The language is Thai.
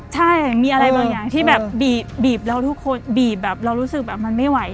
ใช่มีอะไรบางอย่างที่บีบ